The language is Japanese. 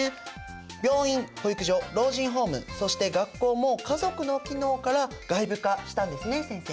病院保育所老人ホームそして学校も家族の機能から外部化したんですね先生。